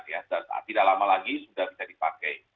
tidak lama lagi sudah bisa dipakai